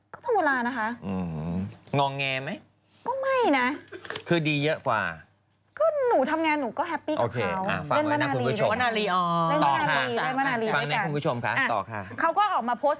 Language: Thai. ข้อที่๑นะดูหน้าเขาข้างหลัง